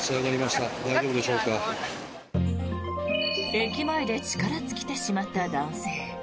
駅前で力尽きてしまった男性。